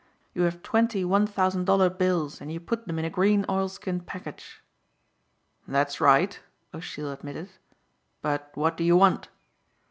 You have twenty one thousand dollar bills and you put them in a green oilskin package." "That's right," O'Sheill admitted, "but what do you want?"